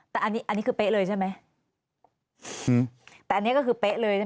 แต่อันนี้คือเป๊ะเลยใช่ไหม